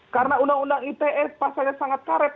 karena undang undang ite pasalnya sangat karet